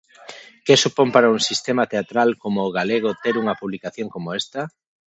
Que supón para un sistema teatral como o galego ter unha publicación como esta?